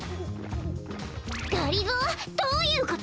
がりぞーどういうこと？